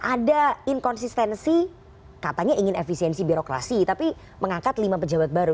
ada inkonsistensi katanya ingin efisiensi birokrasi tapi mengangkat lima pejabat baru